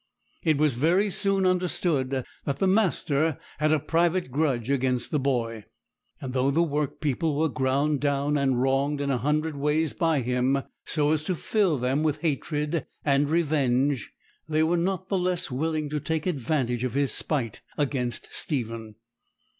It was very soon understood that the master had a private grudge against the boy; and though the workpeople were ground down and wronged in a hundred ways by him, so as to fill them with hatred and revenge, they were not the less willing to take advantage of his spite against Stephen.